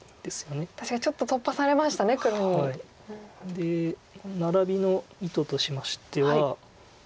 でナラビの意図としてましては。